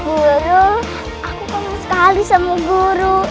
guru aku kagum sekali sama guru